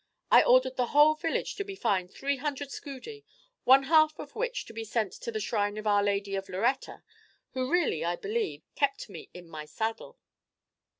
I ordered the whole village to be fined three hundred scudi, one half of which to be sent to the shrine of our Lady of Loretta, who really, I believe, kept me in my saddle!"